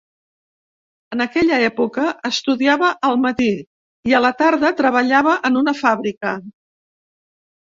En aquella època, estudiava al matí i a la tarda treballava en una fàbrica.